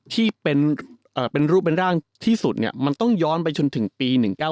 ที่เป็นรูปเป็นร่างที่สุดเนี่ยมันต้องย้อนไปจนถึงปี๑๙๙